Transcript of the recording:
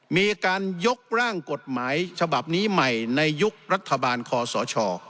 มีการยกร่างกฎหมายฉบับนี้ใหม่ในยุครัฐบาลคอสช